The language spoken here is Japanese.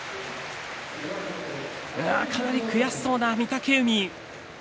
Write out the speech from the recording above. かなり悔しそうな御嶽海。